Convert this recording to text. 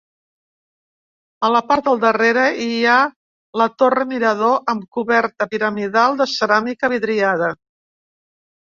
A la part del darrere hi ha la torre-mirador, amb coberta piramidal de ceràmica vidriada.